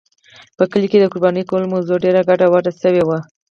په کلي کې د قربانۍ کولو موضوع ډېره ګډه شوې وه.